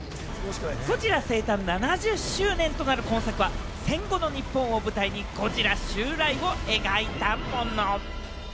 ゴジラ生誕７０周年となる今作は戦後の日本を舞台にゴジラ襲来を描いたもの。